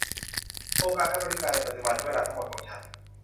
โครงการแอฟริกาในปัจจุบันใช้เวลาทั้งหมดของฉัน